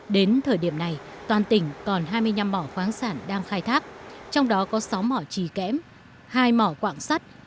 đến thời điểm này toàn tỉnh còn hai mươi năm mỏ khoáng sản đang khai thác trong đó có sáu mỏ trì kẽm hai mỏ quạng sắt